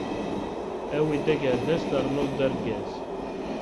Awi-d agerdas ternuḍ-d argaz!